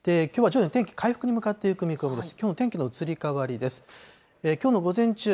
きょうは徐々に天気回復に向かっていく見込みです。